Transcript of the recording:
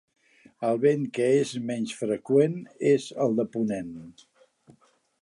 El vent que és menys freqüent és el de ponent.